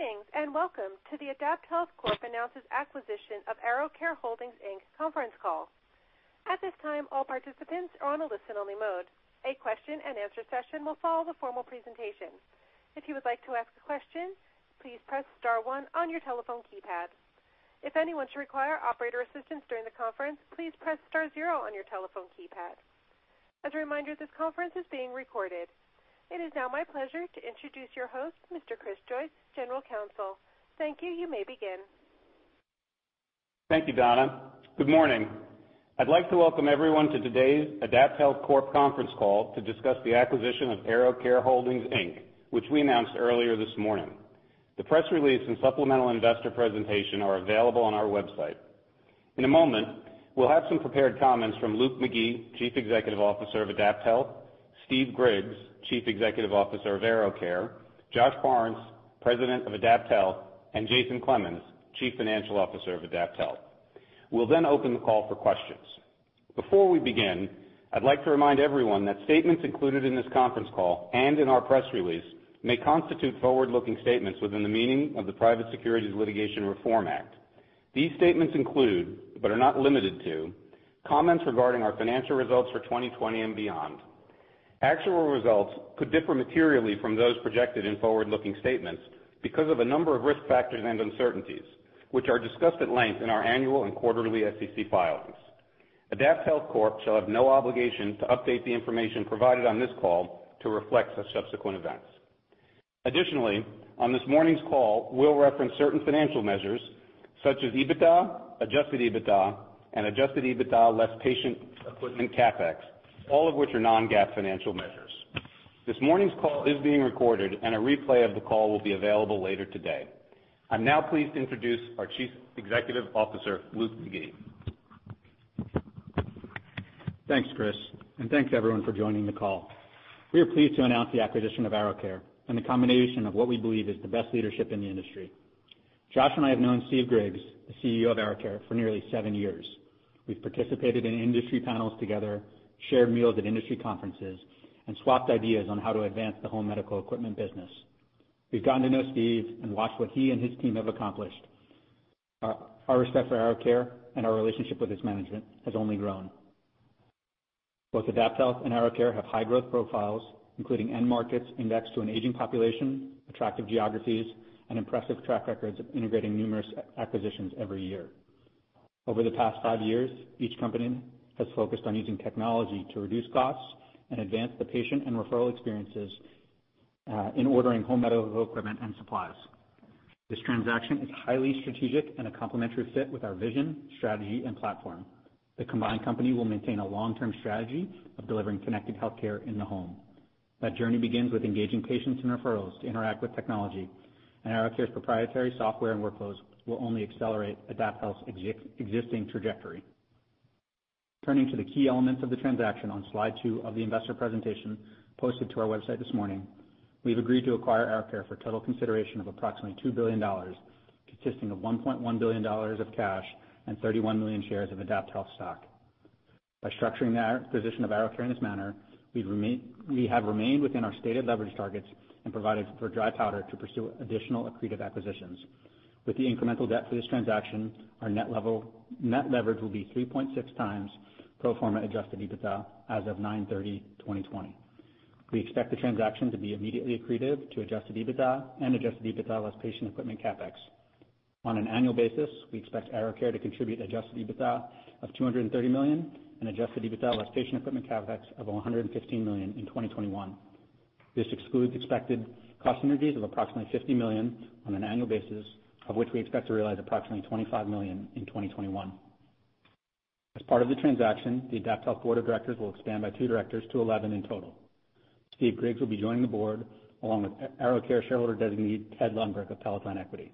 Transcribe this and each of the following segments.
Greetings. Welcome to the AdaptHealth Corp announces acquisition of AeroCare Holdings, Inc conference call. At this time all participants are in a listen only mode. A question-and-answer session will follow the formal presentation. If you would like to ask a question please press star one on your telephone keypad. If anyone should require operator assistance during the conference please press star zero on your telephone keypad. As a reminder this call is being recorded. It is now my pleasure to introduce your host, Mr. Chris Joyce, General Counsel. Thank you. You may begin. Thank you, Donna. Good morning. I'd like to welcome everyone to today's AdaptHealth Corp conference call to discuss the acquisition of AeroCare Holdings, Inc, which we announced earlier this morning. The press release and supplemental investor presentation are available on our website. In a moment, we'll have some prepared comments from Luke McGee, Chief Executive Officer of AdaptHealth, Steve Griggs, Chief Executive Officer of AeroCare, Josh Parnes, President of AdaptHealth, and Jason Clemens, Chief Financial Officer of AdaptHealth. We'll open the call for questions. Before we begin, I'd like to remind everyone that statements included in this conference call and in our press release may constitute forward-looking statements within the meaning of the Private Securities Litigation Reform Act. These statements include, but are not limited to, comments regarding our financial results for 2020 and beyond. Actual results could differ materially from those projected in forward-looking statements because of a number of risk factors and uncertainties, which are discussed at length in our annual and quarterly SEC filings. AdaptHealth Corp shall have no obligation to update the information provided on this call to reflect such subsequent events. Additionally, on this morning's call, we'll reference certain financial measures such as EBITDA, adjusted EBITDA, and adjusted EBITDA less patient equipment CapEx, all of which are non-GAAP financial measures. This morning's call is being recorded, and a replay of the call will be available later today. I'm now pleased to introduce our Chief Executive Officer, Luke McGee. Thanks, Chris, and thanks everyone for joining the call. We are pleased to announce the acquisition of AeroCare and the combination of what we believe is the best leadership in the industry. Josh and I have known Steve Griggs, the CEO of AeroCare, for nearly seven years. We've participated in industry panels together, shared meals at industry conferences, and swapped ideas on how to advance the home medical equipment business. We've gotten to know Steve and watch what he and his team have accomplished. Our respect for AeroCare and our relationship with its management has only grown. Both AdaptHealth and AeroCare have high growth profiles, including end markets indexed to an aging population, attractive geographies, and impressive track records of integrating numerous acquisitions every year. Over the past five years, each company has focused on using technology to reduce costs and advance the patient and referral experiences in ordering home medical equipment and supplies. This transaction is highly strategic and a complementary fit with our vision, strategy, and platform. The combined company will maintain a long-term strategy of delivering connected healthcare in the home. That journey begins with engaging patients and referrals to interact with technology, and AeroCare's proprietary software and workflows will only accelerate AdaptHealth's existing trajectory. Turning to the key elements of the transaction on slide two of the investor presentation posted to our website this morning, we've agreed to acquire AeroCare for a total consideration of approximately $2 billion, consisting of $1.1 billion of cash and 31 million shares of AdaptHealth stock. By structuring the acquisition of AeroCare in this manner, we have remained within our stated leverage targets and provided for dry powder to pursue additional accretive acquisitions. With the incremental debt for this transaction, our net leverage will be 3.6x pro forma adjusted EBITDA as of 9/30/2020. We expect the transaction to be immediately accretive to adjusted EBITDA and adjusted EBITDA less patient equipment CapEx. On an annual basis, we expect AeroCare to contribute adjusted EBITDA of $230 million and adjusted EBITDA less patient equipment CapEx of $115 million in 2021. This excludes expected cost synergies of approximately $50 million on an annual basis, of which we expect to realize approximately $25 million in 2021. As part of the transaction, the AdaptHealth Board of Directors will expand by two directors to 11 in total. Steve Griggs will be joining the board, along with AeroCare shareholder designee, Ted Lundberg of Peloton Equity.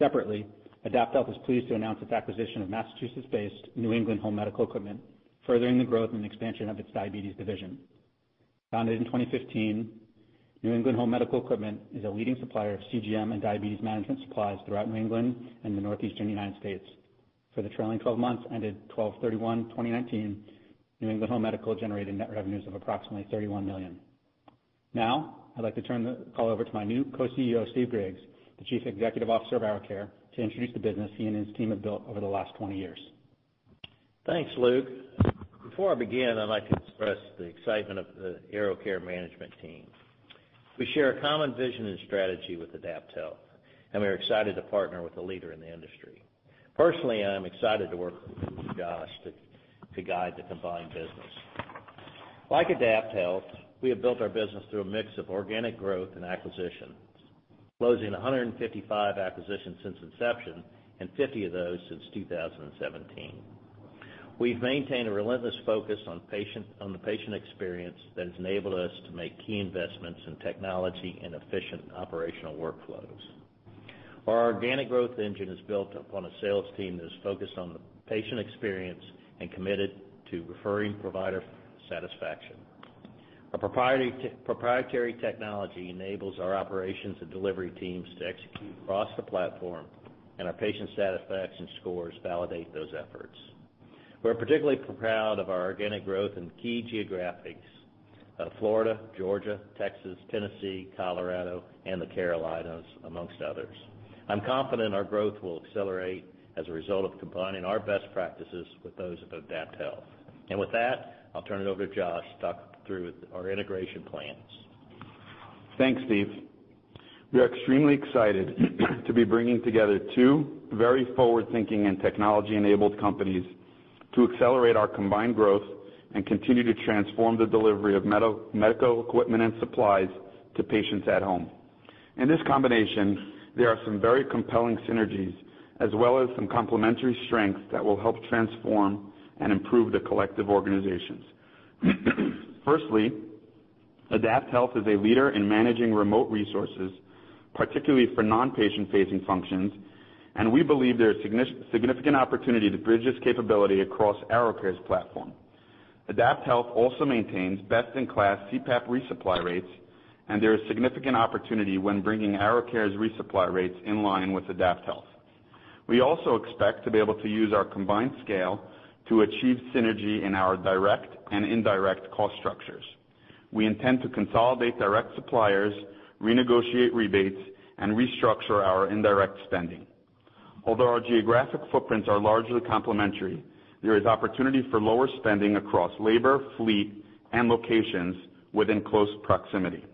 Separately, AdaptHealth is pleased to announce its acquisition of Massachusetts-based New England Home Medical Equipment, furthering the growth and expansion of its Diabetes division. Founded in 2015, New England Home Medical Equipment is a leading supplier of CGM, and diabetes management supplies throughout New England and the Northeastern U.S. For the trailing 12 months ended 12/31/2019, New England Home Medical generated net revenues of approximately $31 million. Now, I'd like to turn the call over to my new Co-CEO, Steve Griggs, the Chief Executive Officer of AeroCare, to introduce the business he and his team have built over the last 20 years. Thanks, Luke. Before I begin, I'd like to express the excitement of the AeroCare management team. We share a common vision and strategy with AdaptHealth, and we are excited to partner with a leader in the industry. Personally, I am excited to work with Luke and Josh to guide the combined business. Like AdaptHealth, we have built our business through a mix of organic growth and acquisitions, closing 155 acquisitions since inception and 50 of those since 2017. We've maintained a relentless focus on the patient experience that has enabled us to make key investments in technology and efficient operational workflows. Our organic growth engine is built upon a sales team that is focused on the patient experience and committed to referring provider satisfaction. Our proprietary technology enables our operations and delivery teams to execute across the platform, and our patient satisfaction scores validate those efforts. We're particularly proud of our organic growth in key geographics, Florida, Georgia, Texas, Tennessee, Colorado, and the Carolinas, amongst others. I'm confident our growth will accelerate as a result of combining our best practices with those of AdaptHealth. With that, I'll turn it over to Josh to talk through our integration plans. Thanks, Steve. We are extremely excited to be bringing together two very forward-thinking and technology-enabled companies to accelerate our combined growth and continue to transform the delivery of medical equipment and supplies to patients at home. In this combination, there are some very compelling synergies, as well as some complementary strengths that will help transform and improve the collective organizations. Firstly, AdaptHealth is a leader in managing remote resources, particularly for non-patient facing functions, and we believe there is significant opportunity to bridge this capability across AeroCare's platform. AdaptHealth also maintains best-in-class CPAP resupply rates, and there is significant opportunity when bringing AeroCare's resupply rates in line with AdaptHealth. We also expect to be able to use our combined scale to achieve synergy in our direct and indirect cost structures. We intend to consolidate direct suppliers, renegotiate rebates, and restructure our indirect spending. Although our geographic footprints are largely complementary, there is opportunity for lower spending across labor, fleet, and locations within close proximity.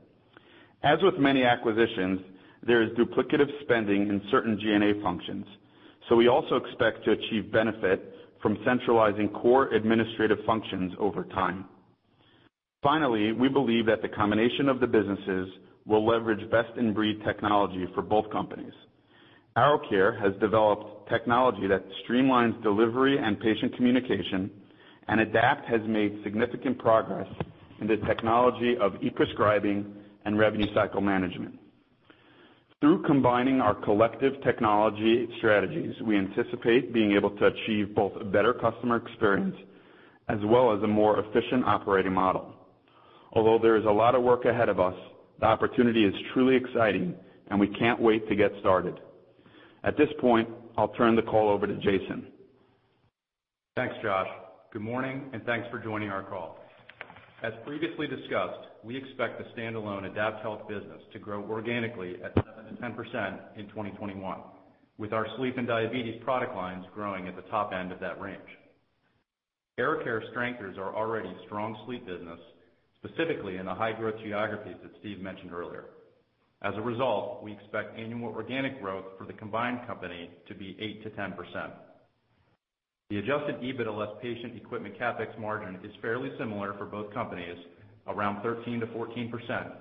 As with many acquisitions, there is duplicative spending in certain G&A functions, so we also expect to achieve benefit from centralizing core administrative functions over time. Finally, we believe that the combination of the businesses will leverage best in breed technology for both companies. AeroCare has developed technology that streamlines delivery and patient communication, and Adapt has made significant progress in the technology of e-prescribing and revenue cycle management. Through combining our collective technology strategies, we anticipate being able to achieve both a better customer experience as well as a more efficient operating model. Although there is a lot of work ahead of us, the opportunity is truly exciting, and we can't wait to get started. At this point, I'll turn the call over to Jason. Thanks, Josh. Good morning, and thanks for joining our call. As previously discussed, we expect the standalone AdaptHealth business to grow organically at 7%-10% in 2021, with our sleep and diabetes product lines growing at the top end of that range. AeroCare strengthens our already strong sleep business, specifically in the high-growth geographies that Steve mentioned earlier. As a result, we expect annual organic growth for the combined company to be 8%-10%. The adjusted EBITDA less patient equipment CapEx margin is fairly similar for both companies, around 13%-14%,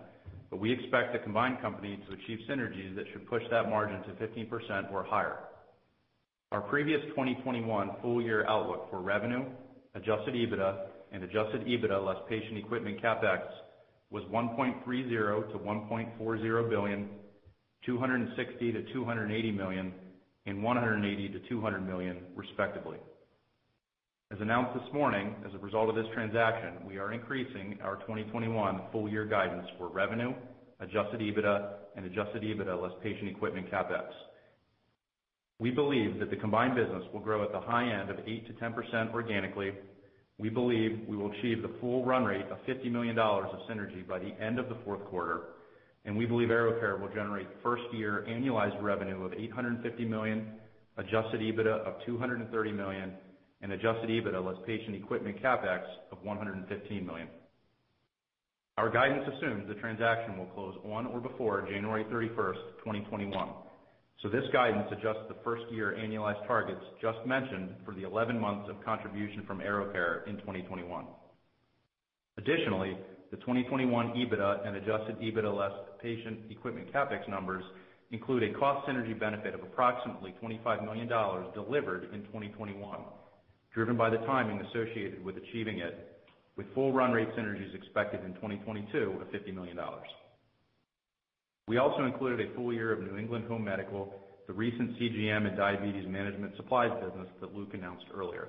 but we expect the combined company to achieve synergies that should push that margin to 15% or higher. Our previous 2021 full year outlook for revenue, adjusted EBITDA, and adjusted EBITDA less patient equipment CapEx was $1.30 billion-$1.40 billion, $260 million-$280 million, and $180 million-$200 million, respectively. As announced this morning, as a result of this transaction, we are increasing our 2021 full year guidance for revenue, adjusted EBITDA, and adjusted EBITDA less patient equipment CapEx. We believe that the combined business will grow at the high end of 8%-10% organically. We believe we will achieve the full run rate of $50 million of synergy by the end of the fourth quarter, and we believe AeroCare will generate first year annualized revenue of $850 million, adjusted EBITDA of $230 million, and adjusted EBITDA less patient equipment CapEx of $115 million. Our guidance assumes the transaction will close on or before January 31st, 2021. This guidance adjusts the first year annualized targets just mentioned for the 11 months of contribution from AeroCare in 2021. Additionally, the 2021 EBITDA and adjusted EBITDA less patient equipment CapEx numbers include a cost synergy benefit of approximately $25 million delivered in 2021, driven by the timing associated with achieving it, with full run rate synergies expected in 2022 of $50 million. We also included a full year of New England Home Medical, the recent CGM and diabetes management supplies business that Luke announced earlier.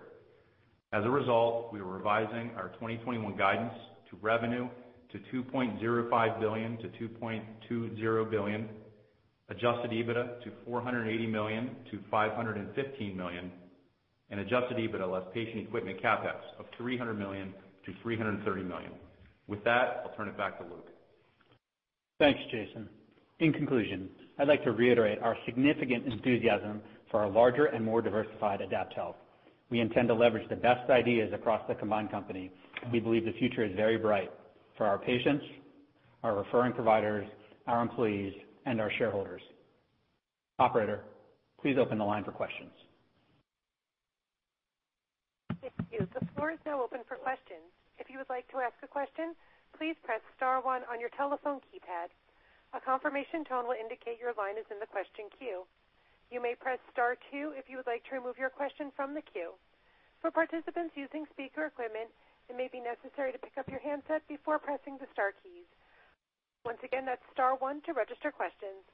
As a result, we are revising our 2021 guidance to revenue to $2.05 billion to $2.20 billion, adjusted EBITDA to $480 million to $515 million, and adjusted EBITDA less patient equipment CapEx of $300 million to $330 million. With that, I'll turn it back to Luke. Thanks, Jason. In conclusion, I'd like to reiterate our significant enthusiasm for our larger and more diversified AdaptHealth. We intend to leverage the best ideas across the combined company. We believe the future is very bright for our patients, our referring providers, our employees, and our shareholders. Operator, please open the line for questions. Thank you. The floor is now open for questions. If you would like to ask a question please press star one on your telephone keypad a confirmation tone will indicate your line is in the question queue. You may press star two if you would like to remove yourself from the queue. For participants using speaker equipment it may be necessary to pick up your handset before pressing the star keys. Once again it's star one to register your questions.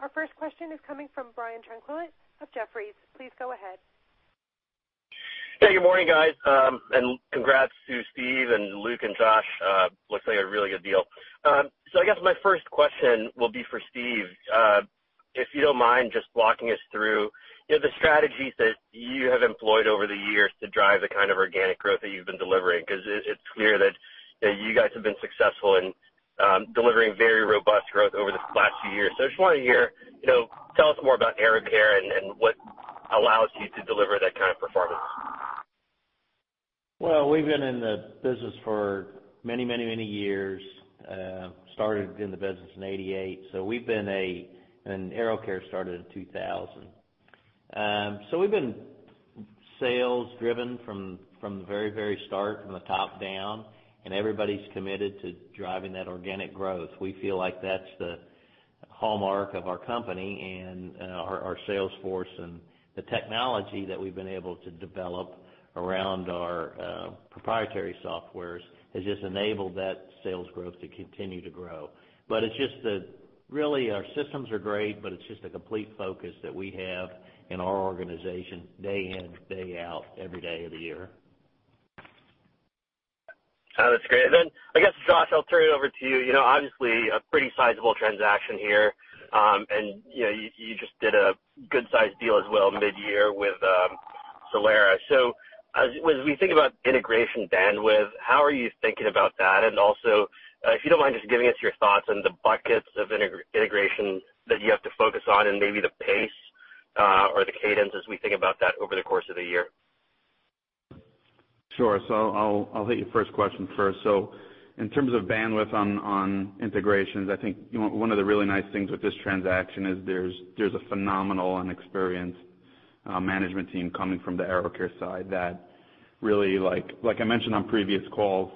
Our first question is coming from Brian Tanquilut of Jefferies. Please go ahead. Hey, good morning, guys. Congrats to Steve and Luke and Josh. Looks like a really good deal. I guess my first question will be for Steve. If you don't mind just walking us through the strategies that you have employed over the years to drive the kind of organic growth that you've been delivering, because it's clear that you guys have been successful in delivering very robust growth over the last few years. I just want to hear, tell us more about AeroCare and what allows you to deliver that kind of performance. Well, we've been in the business for many years. Started in the business in 1988, and AeroCare started in 2000. We've been sales driven from the very start, from the top down, and everybody's committed to driving that organic growth. We feel like that's the hallmark of our company and our sales force and the technology that we've been able to develop around our proprietary softwares has just enabled that sales growth to continue to grow. Really, our systems are great, but it's just a complete focus that we have in our organization day in, day out, every day of the year. That's great. I guess, Josh, I'll turn it over to you. Obviously, a pretty sizable transaction here. You just did a good size deal as well mid-year with Solara. As we think about integration bandwidth, how are you thinking about that? Also, if you don't mind just giving us your thoughts on the buckets of integration that you have to focus on and maybe the pace, or the cadence as we think about that over the course of the year. Sure. I'll hit your first question first. In terms of bandwidth on integrations, I think one of the really nice things with this transaction is there's a phenomenal and experienced management team coming from the AeroCare side that really, like I mentioned on previous calls,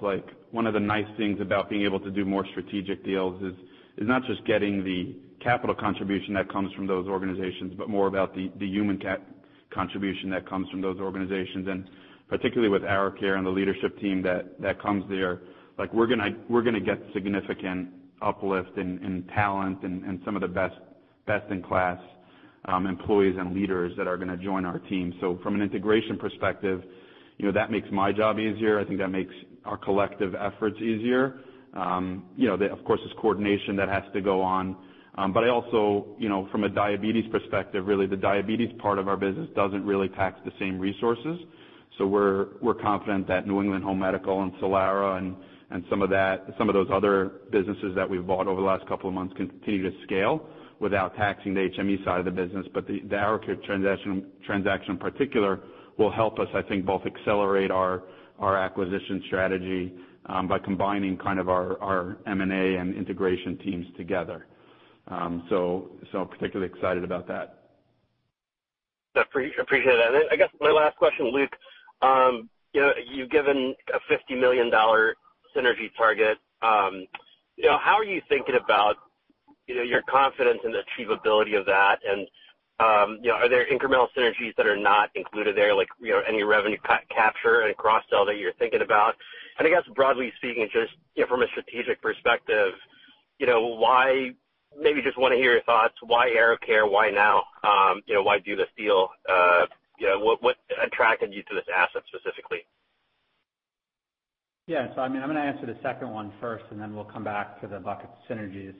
one of the nice things about being able to do more strategic deals is not just getting the capital contribution that comes from those organizations, but more about the human capital contribution that comes from those organizations, and particularly with AeroCare and the leadership team that comes there. We're going to get significant uplift in talent and some of the best in class employees and leaders that are going to join our team. From an integration perspective, that makes my job easier. I think that makes our collective efforts easier. Of course, there's coordination that has to go on. Also, from a diabetes perspective, really, the diabetes part of our business doesn't really tax the same resources. We're confident that New England Home Medical and Solara and some of those other businesses that we've bought over the last couple of months can continue to scale without taxing the HME side of the business. The AeroCare transaction, in particular, will help us, I think, both accelerate our acquisition strategy by combining our M&A and integration teams together. Particularly excited about that. I appreciate that. I guess my last question, Luke, you've given a $50 million synergy target. How are you thinking about your confidence in the achievability of that, and are there incremental synergies that are not included there, like any revenue capture and cross-sell that you're thinking about? I guess broadly speaking, just from a strategic perspective, maybe just want to hear your thoughts, why AeroCare? Why now? What attracted you to this asset specifically? Yeah. I'm going to answer the second one first, and then we'll come back to the bucket synergies.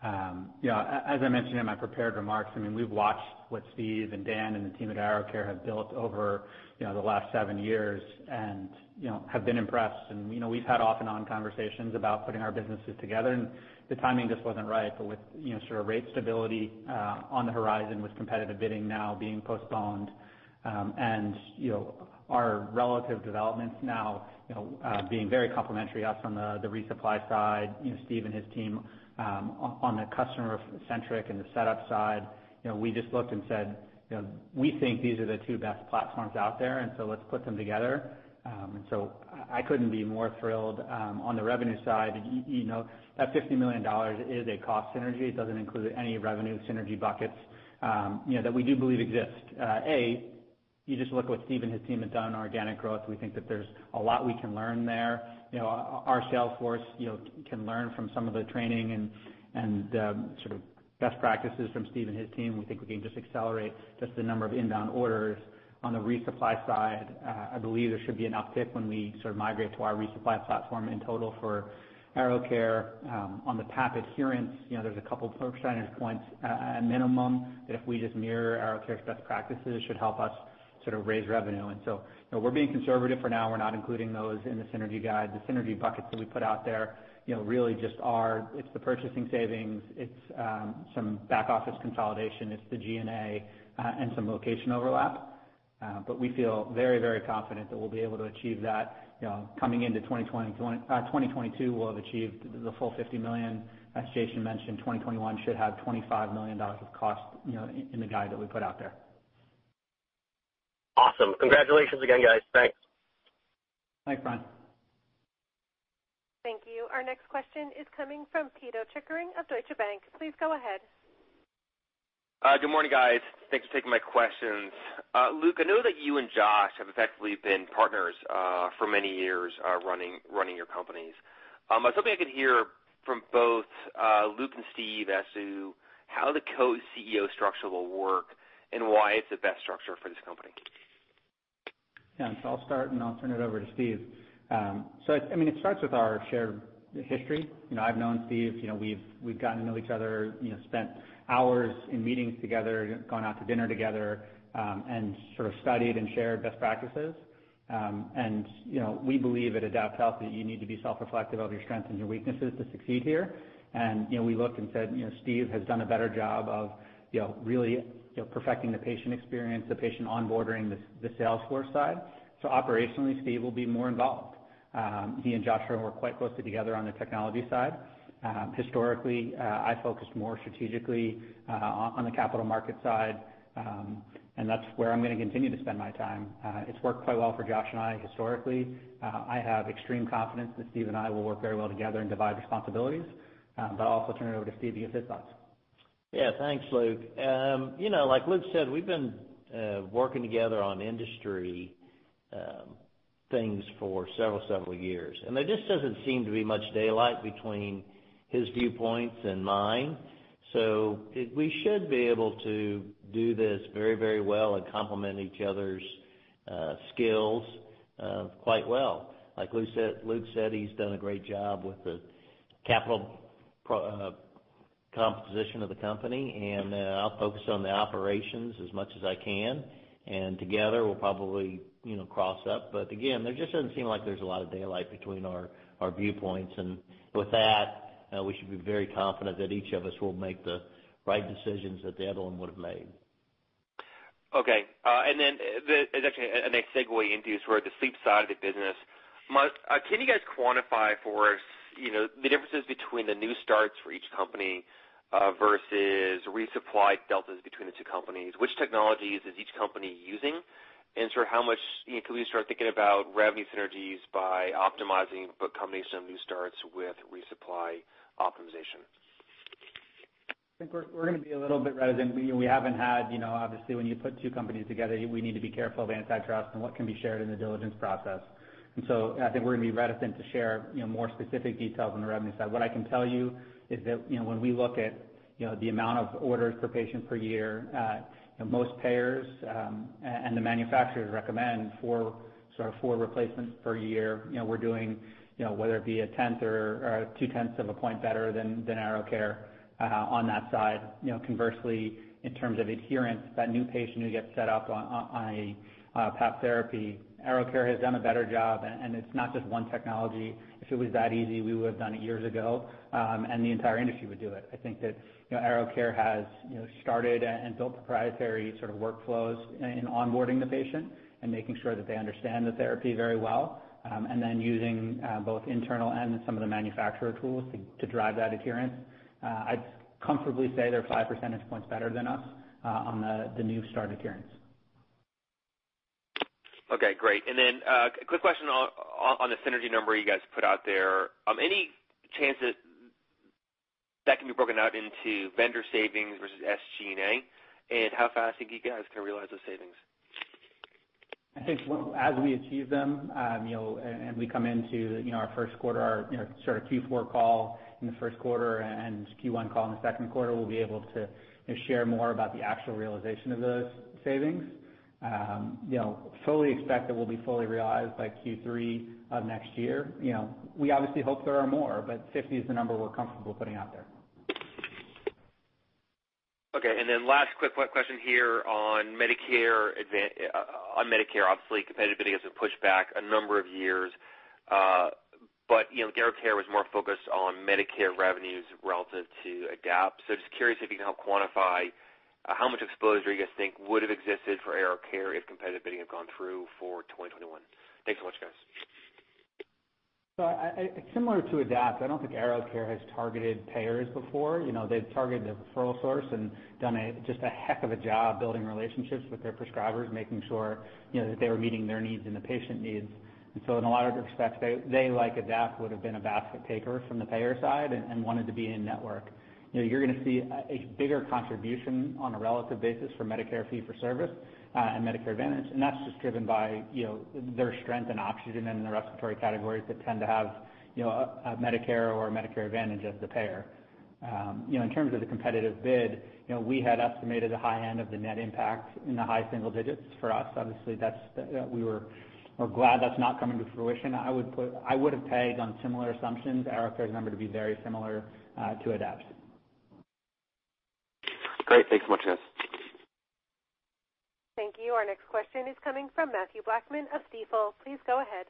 As I mentioned in my prepared remarks, we've watched what Steve and Dan and the team at AeroCare have built over the last seven years and have been impressed. We've had off and on conversations about putting our businesses together, and the timing just wasn't right. With sort of rate stability on the horizon, with competitive bidding now being postponed, and our relative developments now being very complementary, us on the resupply side, Steve and his team on the customer centric and the setup side. We just looked and said, we think these are the two best platforms out there, and so let's put them together. I couldn't be more thrilled. On the revenue side, that $50 million is a cost synergy. It doesn't include any revenue synergy buckets that we do believe exist. You just look what Steve and his team have done on organic growth. We think that there's a lot we can learn there. Our sales force can learn from some of the training and sort of best practices from Steve and his team. We think we can just accelerate just the number of inbound orders on the resupply side. I believe there should be an uptick when we sort of migrate to our resupply platform in total for AeroCare. On the PAP adherence, there's a couple percentage points at minimum that if we just mirror AeroCare's best practices, should help us sort of raise revenue. We're being conservative for now. We're not including those in the synergy guide. The synergy buckets that we put out there really just are, it's the purchasing savings, it's some back office consolidation, it's the G&A, and some location overlap. We feel very confident that we'll be able to achieve that. Coming into 2022, we'll have achieved the full $50 million. As Jason mentioned, 2021 should have $25 million of cost in the guide that we put out there. Awesome. Congratulations again, guys. Thanks. Thanks, Brian. Thank you. Our next question is coming from Pito Chickering of Deutsche Bank. Please go ahead. Good morning, guys. Thanks for taking my questions. Luke, I know that you and Josh have effectively been partners for many years running your companies. I was hoping I could hear from both Luke and Steve as to how the Co-CEO structure will work and why it's the best structure for this company. Yeah. I'll start, and I'll turn it over to Steve. It starts with our shared history. I've known Steve. We've gotten to know each other, spent hours in meetings together, gone out to dinner together, and sort of studied and shared best practices. We believe at AdaptHealth that you need to be self-reflective of your strengths and your weaknesses to succeed here. We looked and said Steve has done a better job of really perfecting the patient experience, the patient onboarding, the Salesforce side. Operationally, Steve will be more involved. He and Josh will work quite closely together on the technology side. Historically, I focused more strategically on the capital market side, and that's where I'm going to continue to spend my time. It's worked quite well for Josh and I historically. I have extreme confidence that Steve and I will work very well together and divide responsibilities. I'll also turn it over to Steve to give his thoughts. Thanks, Luke. Like Luke said, we've been working together on industry things for several years. There just doesn't seem to be much daylight between his viewpoints and mine. We should be able to do this very well and complement each other's skills quite well. Like Luke said, he's done a great job with the capital composition of the company. I'll focus on the operations as much as I can. Together we'll probably cross up. Again, there just doesn't seem like there's a lot of daylight between our viewpoints. With that, we should be very confident that each of us will make the right decisions that the other one would've made. Okay. Actually a segue into sort of the sleep side of the business. Can you guys quantify for us the differences between the new starts for each company versus resupply deltas between the two companies? Which technologies is each company using? Can we start thinking about revenue synergies by optimizing a combination of new starts with resupply optimization? I think we're going to be a little bit reticent. Obviously, when you put two companies together, we need to be careful of antitrust and what can be shared in the diligence process. I think we're going to be reticent to share more specific details on the revenue side. What I can tell you is that when we look at the amount of orders per patient per year, most payers, and the manufacturers recommend sort of four replacements per year. We're doing whether it be a tenth or two-tenths of a point better than AeroCare on that side. Conversely, in terms of adherence, that new patient who gets set up on a PAP therapy, AeroCare has done a better job. It's not just one technology. If it was that easy, we would've done it years ago, and the entire industry would do it. I think that AeroCare has started and built proprietary sort of workflows in onboarding the patient and making sure that they understand the therapy very well, and then using both internal and some of the manufacturer tools to drive that adherence. I'd comfortably say they're 5 percentage points better than us on the new start adherence. Quick question on the synergy number you guys put out there. Any chance that that can be broken out into vendor savings versus SG&A? How fast do you guys can realize those savings? I think as we achieve them, and we come into our first quarter, our sort of Q4 call in the first quarter and Q1 call in the second quarter, we'll be able to share more about the actual realization of those savings. Fully expect that we'll be fully realized by Q3 of next year. We obviously hope there are more, but $50 is the number we're comfortable putting out there. Okay. Then last quick question here on Medicare, obviously, competitive bidding has been pushed back a number of years. AeroCare was more focused on Medicare revenues relative to Adapt. Just curious if you can help quantify how much exposure you guys think would've existed for AeroCare if competitive bidding had gone through for 2021. Thanks so much, guys. Similar to Adapt, I don't think AeroCare has targeted payers before. They've targeted the referral source and done just a heck of a job building relationships with their prescribers, making sure that they were meeting their needs and the patient needs. In a lot of respects, they, like Adapt, would've been a basket taker from the payer side and wanted to be in network. You're going to see a bigger contribution on a relative basis for Medicare fee for service and Medicare Advantage. That's just driven by their strength and oxygen in the respiratory categories that tend to have Medicare or Medicare Advantage as the payer. In terms of the competitive bid, we had estimated the high end of the net impact in the high single digits for us. Obviously, we're glad that's not coming to fruition. I would've tagged on similar assumptions, AeroCare's number to be very similar to Adapt. Great. Thanks so much, guys. Thank you. Our next question is coming from Mathew Blackman of Stifel. Please go ahead.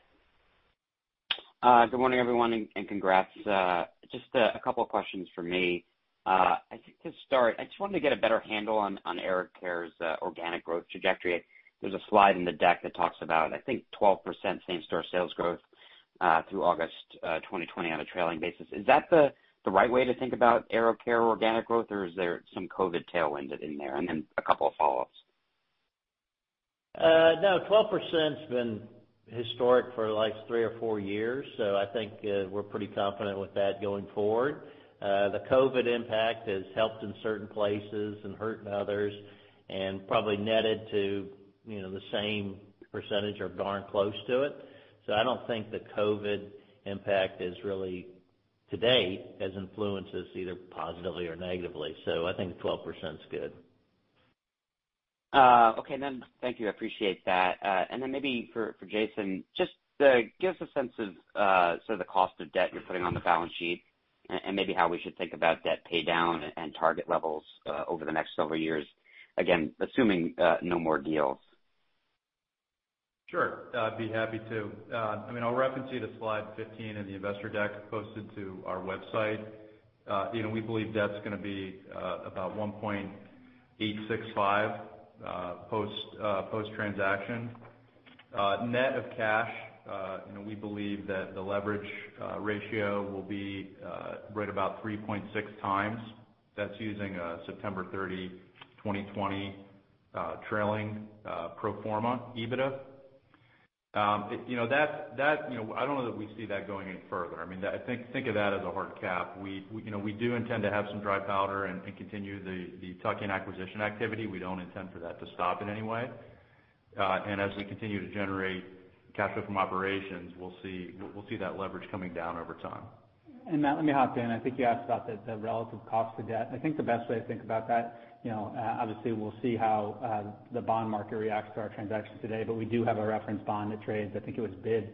Good morning, everyone, and congrats. Just a couple of questions from me. I think to start, I just wanted to get a better handle on AeroCare's organic growth trajectory. There's a slide in the deck that talks about, I think, 12% same-store sales growth through August 2020 on a trailing basis. Is that the right way to think about AeroCare organic growth, or is there some COVID tailwind in there? Then a couple of follow-ups. 12% has been historic for like three or four years. I think we're pretty confident with that going forward. The COVID impact has helped in certain places and hurt in others and probably netted to the same percentage or darn close to it. I don't think the COVID impact is really to date has influenced us either positively or negatively. I think 12% is good. Okay. Thank you. I appreciate that. Maybe for Jason, just give us a sense of the cost of debt you're putting on the balance sheet and maybe how we should think about debt paydown and target levels over the next several years. Again, assuming no more deals. Sure. I'd be happy to. I'll reference you to slide 15 in the investor deck posted to our website. We believe debt's going to be about $1.865 post-transaction. Net of cash, we believe that the leverage ratio will be right about 3.6x. That's using a September 30, 2020, trailing pro forma EBITDA. I don't know that we see that going any further. Think of that as a hard cap. We do intend to have some dry powder and continue the tuck-in acquisition activity. We don't intend for that to stop in any way. As we continue to generate cash flow from operations, we'll see that leverage coming down over time. Matt, let me hop in. I think you asked about the relative cost of debt. I think the best way to think about that, obviously, we'll see how the bond market reacts to our transaction today, but we do have a reference bond that trades. I think it was bid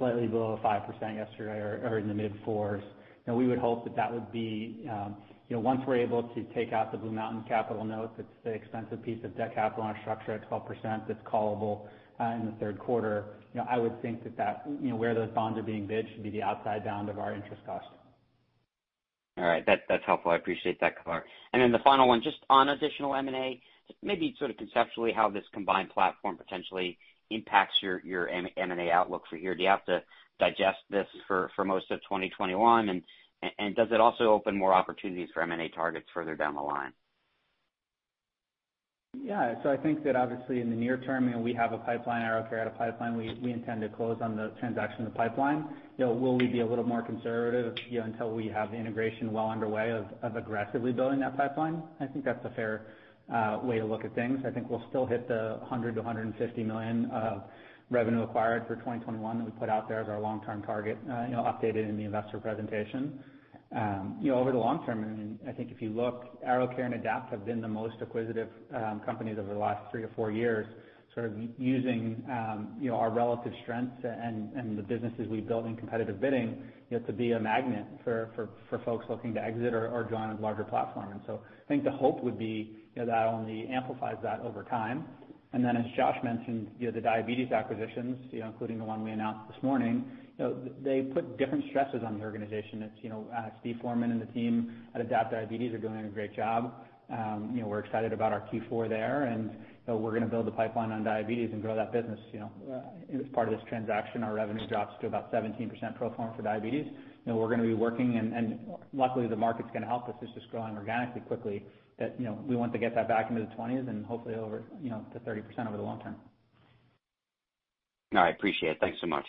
slightly below 5% yesterday or in the mid-4s, and we would hope that that would be once we're able to take out the BlueMountain Capital note, that's the expensive piece of debt capital in our structure at 12% that's callable in the third quarter. I would think that where those bonds are being bid should be the outside bound of our interest cost. All right. That's helpful. I appreciate that color. The final one, just on additional M&A, maybe conceptually how this combined platform potentially impacts your M&A outlook for here. Do you have to digest this for most of 2021, and does it also open more opportunities for M&A targets further down the line? Yeah. I think that obviously in the near term, we have a pipeline, AeroCare had a pipeline. We intend to close on the transaction of the pipeline. Will we be a little more conservative until we have the integration well underway of aggressively building that pipeline? I think that's a fair way to look at things. I think we'll still hit the $100 million-$150 million of revenue acquired for 2021 that we put out there as our long-term target, updated in the investor presentation. Over the long term, I think if you look, AeroCare and AdaptHealth have been the most acquisitive companies over the last three or four years, sort of using our relative strengths and the businesses we've built in competitive bidding to be a magnet for folks looking to exit or join a larger platform. I think the hope would be that only amplifies that over time. As Josh mentioned, the diabetes acquisitions, including the one we announced this morning, they put different stresses on the organization. Steve Foreman and the team at AdaptHealth Diabetes are doing a great job. We're excited about our Q4 there, and we're going to build a pipeline on diabetes and grow that business. As part of this transaction, our revenue drops to about 17% pro forma for diabetes. We're going to be working, and luckily, the market's going to help us. It's just growing organically quickly that we want to get that back into the 20s and hopefully over to 30% over the long term. All right. Appreciate it. Thank you so much.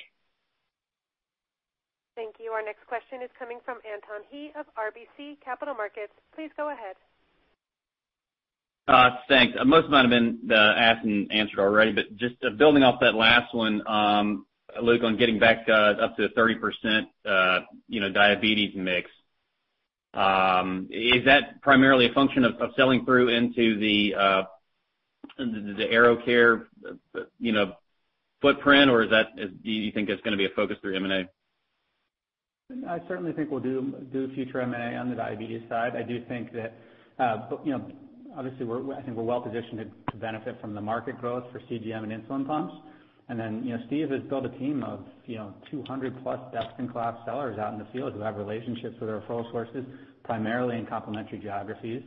Thank you. Our next question is coming from Anton Hie of RBC Capital Markets. Please go ahead. Thanks. Most of them have been asked and answered already. Just building off that last one, Luke, on getting back up to 30% diabetes mix, is that primarily a function of selling through into the AeroCare footprint, or do you think that's going to be a focus through M&A? I certainly think we'll do future M&A on the diabetes side. I do think that obviously we're well-positioned to benefit from the market growth for CGM and insulin pumps. Steve has built a team of 200+ best-in-class sellers out in the field who have relationships with our referral sources, primarily in complementary geographies.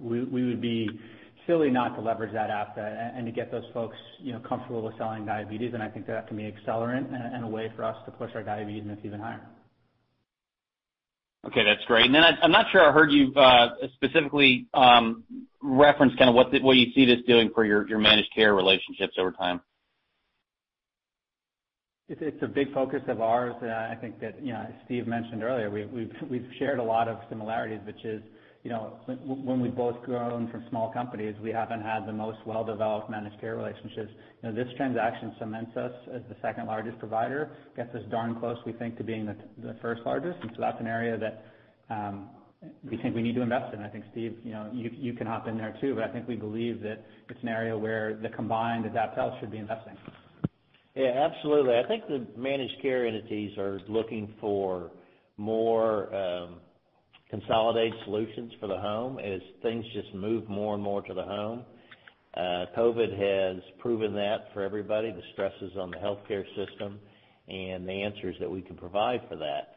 We would be silly not to leverage that asset and to get those folks comfortable with selling diabetes. I think that can be an accelerant and a way for us to push our diabetes mix even higher. Okay, that's great. I'm not sure I heard you specifically reference what you see this doing for your managed care relationships over time? It's a big focus of ours. I think that Steve mentioned earlier, we've shared a lot of similarities, which is when we've both grown from small companies, we haven't had the most well-developed managed care relationships. This transaction cements us as the second largest provider, gets us darn close, we think, to being the first largest. That's an area that we think we need to invest in. I think, Steve, you can hop in there, too, but I think we believe that it's an area where the combined AdaptHealth should be investing. Yeah, absolutely. I think the managed care entities are looking for more consolidated solutions for the home as things just move more and more to the home. COVID has proven that for everybody, the stresses on the healthcare system and the answers that we can provide for that.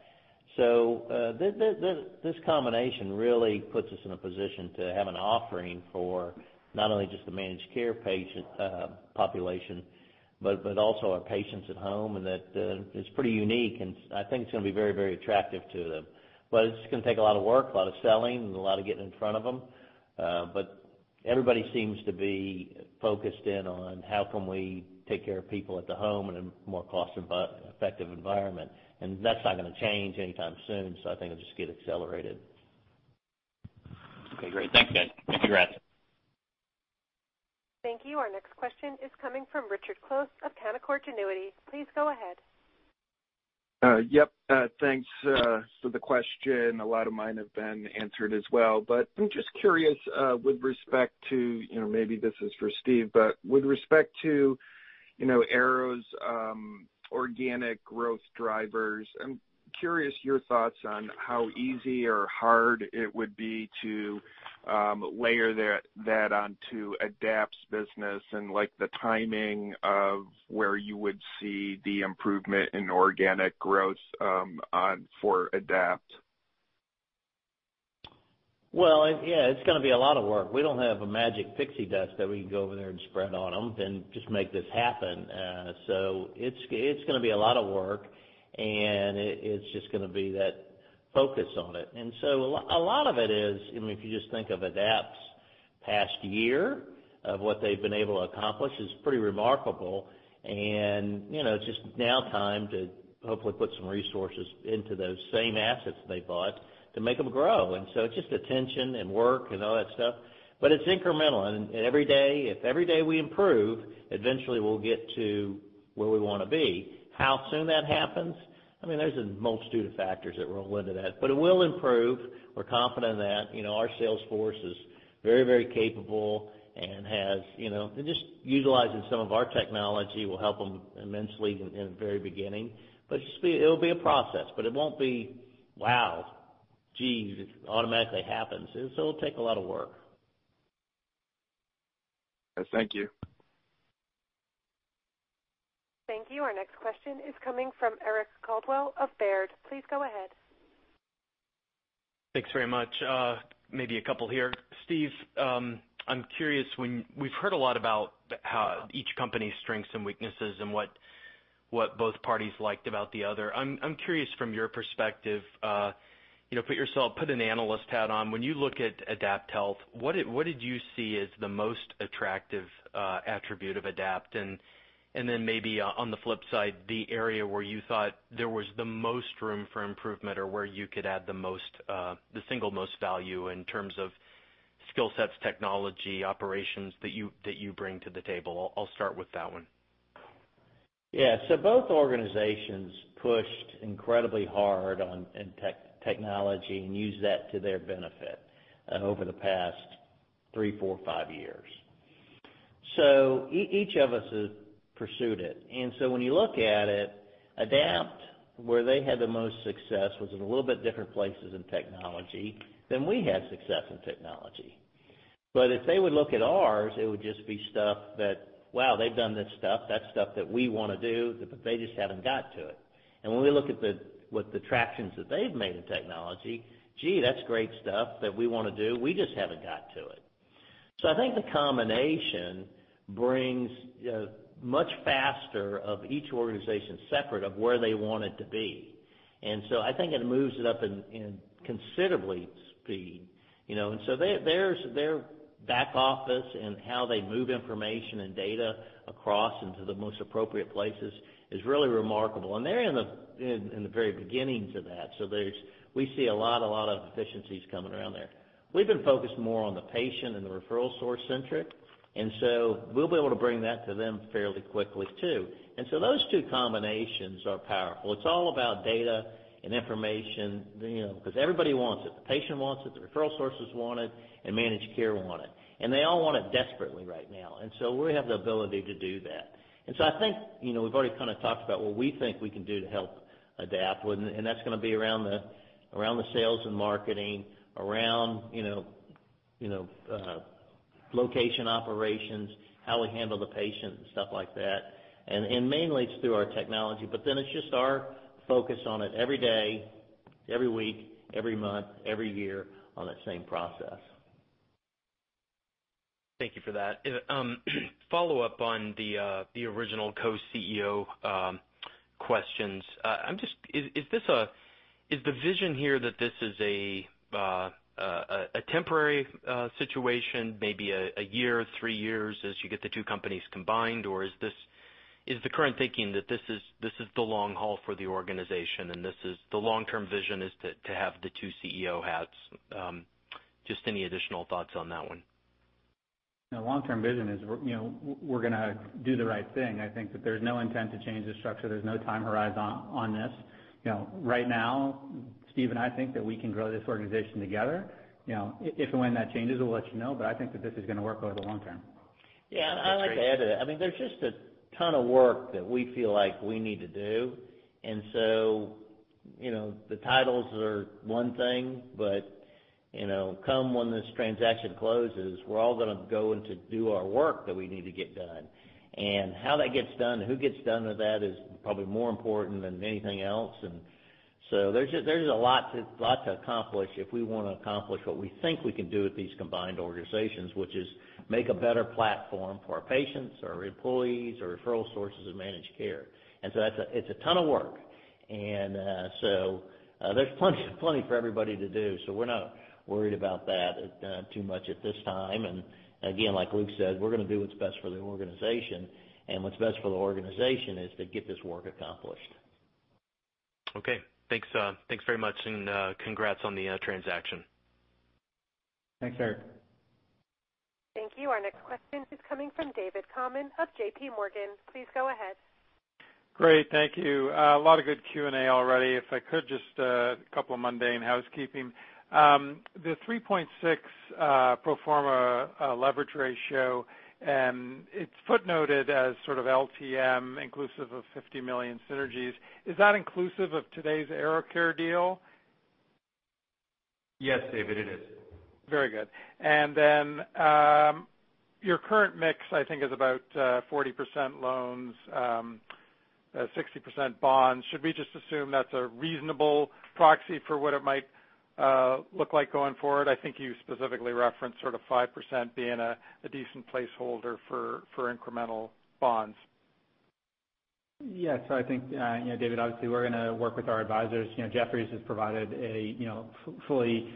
This combination really puts us in a position to have an offering for not only just the managed care patient population, but also our patients at home, and that it's pretty unique, and I think it's going to be very attractive to them. It's going to take a lot of work, a lot of selling, and a lot of getting in front of them. Everybody seems to be focused in on how can we take care of people at the home in a more cost-effective environment. That's not going to change anytime soon, so I think it'll just get accelerated. Okay, great. Thanks, guys. Congrats. Thank you. Our next question is coming from Richard Close of Canaccord Genuity. Please go ahead. Yep. Thanks. The question, a lot of mine have been answered as well. I'm just curious with respect to, maybe this is for Steve, but with respect to AeroCare's organic growth drivers, I'm curious your thoughts on how easy or hard it would be to layer that onto Adapt's business, and the timing of where you would see the improvement in organic growth for Adapt. Well, yeah, it's going to be a lot of work. We don't have a magic pixie dust that we can go over there and spread on them and just make this happen. It's going to be a lot of work, and it's just going to be that focus on it. A lot of it is, if you just think of AdaptHealth's past year, of what they've been able to accomplish, is pretty remarkable. It's just now time to hopefully put some resources into those same assets they bought to make them grow. It's just attention and work and all that stuff, but it's incremental. If every day we improve, eventually we'll get to where we want to be. How soon that happens, there's a multitude of factors that roll into that. It will improve. We're confident in that. Our Salesforce is very capable and just utilizing some of our technology will help them immensely in the very beginning. It'll be a process, but it won't be, wow, geez, it automatically happens. It'll take a lot of work. Thank you. Thank you. Our next question is coming from Eric Coldwell of Baird. Please go ahead. Thanks very much. Maybe a couple here. Steve, I'm curious. We've heard a lot about each company's strengths and weaknesses and what both parties liked about the other. I'm curious from your perspective, put an analyst hat on. When you look at AdaptHealth, what did you see as the most attractive attribute of Adapt? And then maybe on the flip side, the area where you thought there was the most room for improvement, or where you could add the single most value in terms of skill sets, technology, operations that you bring to the table. I'll start with that one. Yeah. Both organizations pushed incredibly hard on technology and used that to their benefit over the past three, four, five years. Each of us has pursued it. When you look at it, Adapt, where they had the most success was in a little bit different places in technology than we had success in technology. If they would look at ours, it would just be stuff that, wow, they've done this stuff. That's stuff that we want to do, but they just haven't got to it. When we look at the tractions that they've made in technology, gee, that's great stuff that we want to do. We just haven't got to it. I think the combination brings much faster of each organization separate of where they want it to be. I think it moves it up in considerably speed. Their back office and how they move information and data across into the most appropriate places is really remarkable. They're in the very beginnings of that. We see a lot of efficiencies coming around there. We've been focused more on the patient and the referral source centric, we'll be able to bring that to them fairly quickly, too. Those two combinations are powerful. It's all about data and information, because everybody wants it. The patient wants it, the referral sources want it, and managed care want it. They all want it desperately right now. We have the ability to do that. I think, we've already kind of talked about what we think we can do to help Adapt, and that's going to be around the sales and marketing, around location operations, how we handle the patient and stuff like that. Mainly it's through our technology, it's just our focus on it every day, every week, every month, every year on that same process. Thank you for that. Follow-up on the original Co-CEO questions. Is the vision here that this is a temporary situation, maybe a year, three years, as you get the two companies combined? Or is the current thinking that this is the long haul for the organization, and the long-term vision is to have the two CEO hats? Just any additional thoughts on that one. The long-term vision is we're going to do the right thing. I think that there's no intent to change the structure. There's no time horizon on this. Right now, Steve and I think that we can grow this organization together. If and when that changes, we'll let you know. I think that this is going to work over the long term. Yeah, I'd like to add to that. There's just a ton of work that we feel like we need to do. The titles are one thing, but come when this transaction closes, we're all going to go in to do our work that we need to get done. How that gets done and who gets done with that is probably more important than anything else. There's a lot to accomplish if we want to accomplish what we think we can do with these combined organizations, which is make a better platform for our patients, our employees, our referral sources, and managed care. It's a ton of work. There's plenty for everybody to do. We're not worried about that too much at this time. Again, like Luke said, we're going to do what's best for the organization, and what's best for the organization is to get this work accomplished. Okay. Thanks very much, and congrats on the transaction. Thanks, Eric. Thank you. Our next question is coming from David Common of JPMorgan. Please go ahead. Great. Thank you. A lot of good Q&A already. If I could, just a couple of mundane housekeeping. The 3.6 pro forma leverage ratio, it's footnoted as sort of LTM inclusive of $50 million synergies. Is that inclusive of today's AeroCare deal? Yes, David, it is. Very good. Your current mix, I think, is about 40% loans, 60% bonds. Should we just assume that's a reasonable proxy for what it might look like going forward? I think you specifically referenced sort of 5% being a decent placeholder for incremental bonds. Yes. I think, David, obviously, we're going to work with our advisors. Jefferies has provided a fully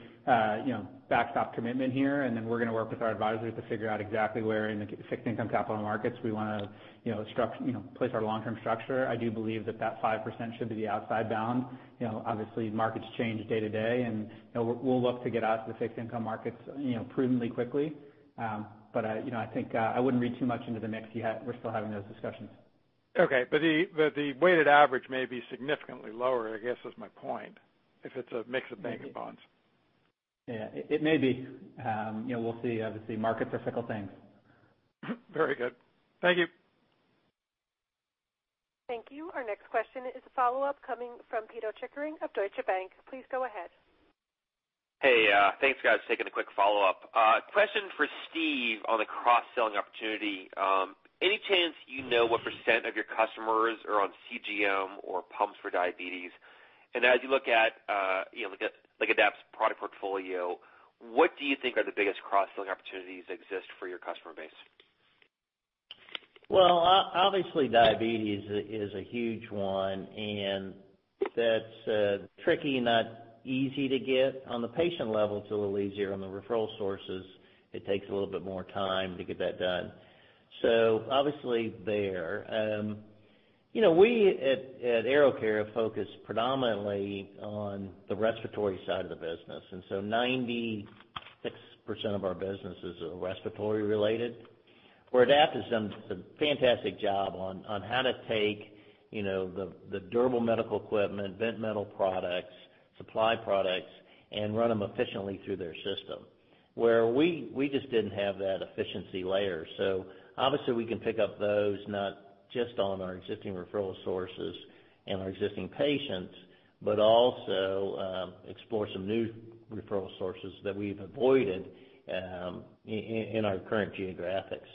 backstop commitment here, and then we're going to work with our advisors to figure out exactly where in the fixed income capital markets we want to place our long-term structure. I do believe that that 5% should be the outside bound. Obviously, markets change day to day, and we'll look to get out to the fixed income markets prudently quickly. I think I wouldn't read too much into the mix. We're still having those discussions. Okay. The weighted average may be significantly lower, I guess, is my point, if it's a mix of bank and bonds. Yeah. It may be. We'll see. Obviously, markets are fickle things. Very good. Thank you. Thank you. Our next question is a follow-up coming from Pito Chickering of Deutsche Bank. Please go ahead. Hey, thanks, guys. Taking a quick follow-up. Question for Steve on the cross-selling opportunity. Any chance you know what percent of your customers are on CGM or pumps for diabetes? As you look at Adapt's product portfolio, what do you think are the biggest cross-selling opportunities that exist for your customer base? Obviously, diabetes is a huge one, and that's tricky, not easy to get. On the patient level, it's a little easier. On the referral sources, it takes a little bit more time to get that done. Obviously there. We at AeroCare focus predominantly on the respiratory side of the business, 96% of our business is respiratory related, where AdaptHealth has done a fantastic job on how to take the durable medical equipment, vent medical products, supply products, and run them efficiently through their system. We just didn't have that efficiency layer. Obviously, we can pick up those, not just on our existing referral sources and our existing patients, but also explore some new referral sources that we've avoided in our current geographics.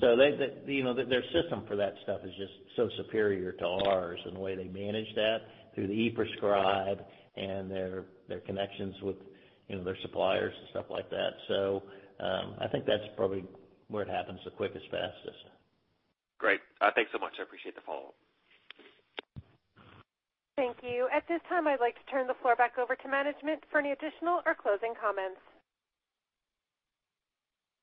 Their system for that stuff is just so superior to ours and the way they manage that through the e-prescribe and their connections with their suppliers and stuff like that. I think that's probably where it happens the quickest, fastest. Great. Thanks so much. I appreciate the follow-up. Thank you. At this time, I'd like to turn the floor back over to management for any additional or closing comments.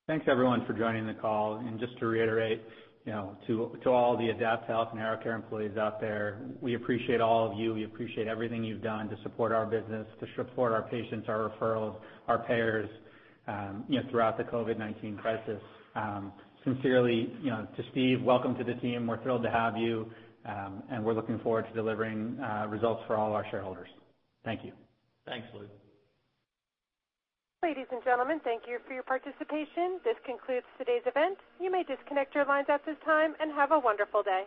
Thanks, everyone, for joining the call. Just to reiterate, to all the AdaptHealth and AeroCare employees out there, we appreciate all of you. We appreciate everything you've done to support our business, to support our patients, our referrals, our payers throughout the COVID-19 crisis. Sincerely, to Steve, welcome to the team. We're thrilled to have you, and we're looking forward to delivering results for all our shareholders. Thank you. Thanks, Luke. Ladies and gentlemen, thank you for your participation. This concludes today's event. You may disconnect your lines at this time, and have a wonderful day.